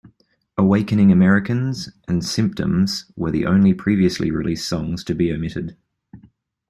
"Awakening Americans" and "Symptoms" were the only previously released songs to be omitted.